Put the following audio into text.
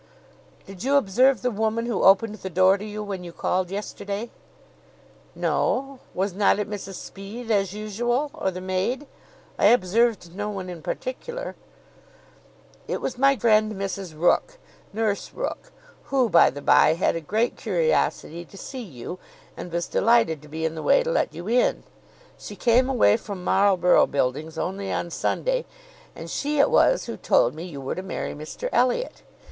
"Did you observe the woman who opened the door to you when you called yesterday?" "No. Was not it Mrs Speed, as usual, or the maid? I observed no one in particular." "It was my friend Mrs Rooke; Nurse Rooke; who, by the bye, had a great curiosity to see you, and was delighted to be in the way to let you in. She came away from Marlborough Buildings only on Sunday; and she it was who told me you were to marry Mr Elliot.